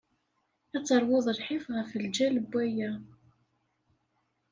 Ad teṛwuḍ lḥif ɣef lǧal n waya.